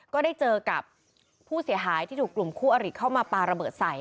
ก็ได้เจอกับผู้เสียหายที่ถูกกลุ่มคู่อริเข้ามาปลาระเบิดใส่